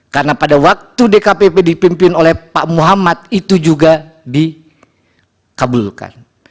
karena pada waktu dkpp dipimpin oleh pak muhammad itu juga dikabulkan